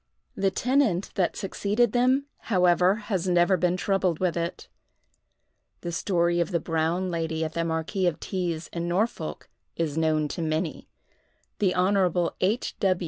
The tenant that succeeded them, however, has never been troubled with it. The story of the Brown Lady at the Marquis of T——'s, in Norfolk, is known to many. The Hon. H.